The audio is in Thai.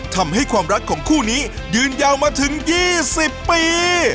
ทำให้ความรักของคู่นี้ยืนยาวมาถึง๒๐ปี